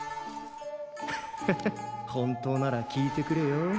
ハハッ本当なら効いてくれよ。